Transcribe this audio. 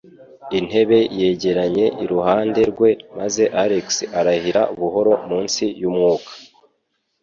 Intebe yegeranye iruhande rwe maze Alex arahira buhoro munsi yumwuka.